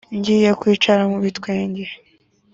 ngiye kwicara mu bitwenge